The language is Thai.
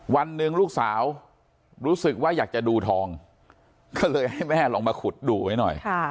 วันหนึ่งลูกสาวรู้สึกว่าอยากจะดูทองก็เลยให้แม่ลองมาขุดดูไว้หน่อย